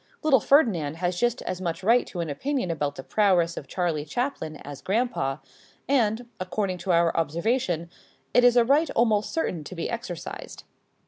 Little Ferdinand has just as much right to an opinion about the prowess of Charlie Chaplin as grandpa, and, according to our observation, it is a right almost certain to be exercised.